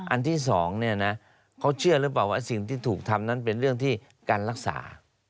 อันที่สองเนี่ยนะเขาเชื่อหรือเปล่าว่าสิ่งที่ถูกทำนั้นเป็นเรื่องที่การรักษา